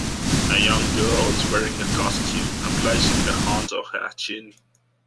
A young girl is wearing a costume and placing her hand on her chin.